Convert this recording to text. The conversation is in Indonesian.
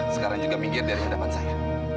sekarang juga mikir dari hadapan saya